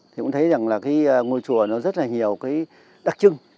thì cũng thấy rằng là ngôi chùa nó rất là nhiều đặc trưng